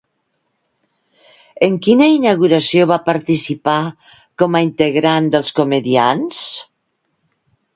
En quina inauguració va participar com a integrant d'Els Comediants?